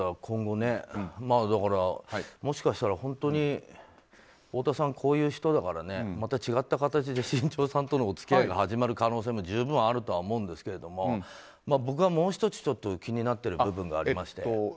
もしかしたら本当に太田さん、こういう人だからまた違った形で新潮さんとのお付き合いが始まる可能性も十分あるとは思うんですけど僕はもう１つ気になっている部分がありまして。